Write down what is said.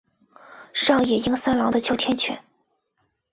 上野英三郎的秋田犬。